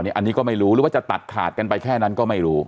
อันนี้ก็ไม่รู้หรือว่าจะตัดขาดกันไปแค่นั้นก็ไม่รู้